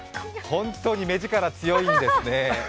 本当に目ヂカラ強いんですね。